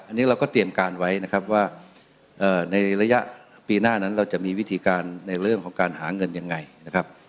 อันนี้เราก็เตรียมการไว้นะครับว่าในระยะปีหน้านั้นเราจะมีวิธีการในเรื่องของการหาเงินยังไงนะครับ